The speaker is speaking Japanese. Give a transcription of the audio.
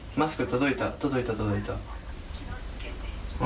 届いた、届いた。